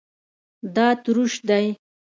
دا تروش دی